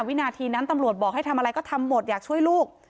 วินาทีนั้นตำรวจบอกให้ทำอะไรก็ทำหมดอยากช่วยลูก